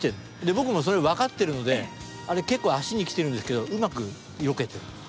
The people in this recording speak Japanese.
僕もそれ分かってるのであれ結構足に来てるんですけどうまくよけてるんです。